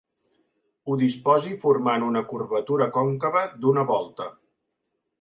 Ho disposi formant una curvatura còncava d'una volta.